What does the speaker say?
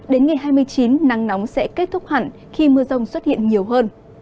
đến ngày hai mươi chín nắng nóng sẽ kết thúc hẳn khi mưa rông xuất hiện nhiều hơn